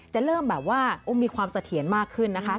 จะเริ่มแบบว่ามีความเสถียรมากขึ้นนะคะ